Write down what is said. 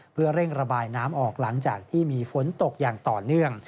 เพื่อเร่งระบายน้ำออกหลังจากที่มีฝนตกอย่างต่อเนื่อง